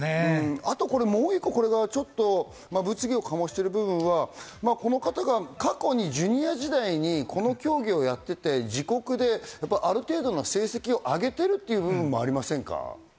あともう一つ、これが物議を醸している部分はこの方が過去にジュニア時代に競技をやっていて自国である程度の成績をあげているという部分もありませんか？